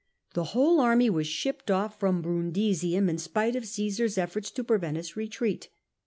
The whole army was shipped off from Brundisium, in spite of Csosafs effbrks to prevent its retreat.